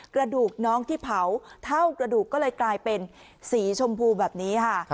กระดูกน้องที่เผาเท่ากระดูกก็เลยกลายเป็นสีชมพูแบบนี้ค่ะ